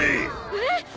えっ！？